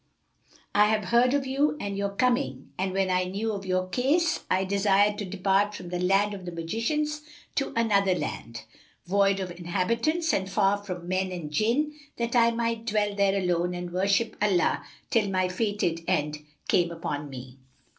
I have heard of you and your coming and when I knew of your case, I desired to depart from the land of the magicians to another land, void of inhabitants and far from men and Jinn, that I might dwell there alone and worship Allah till my fated end came upon me.